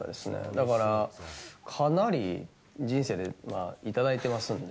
だから、かなり人生で頂いてますんで。